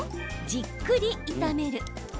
じっくり炒める。